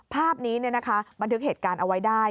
ภาพนี้บันทึกเหตุการณ์เอาไว้ได้